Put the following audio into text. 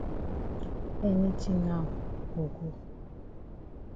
Any tin now go go.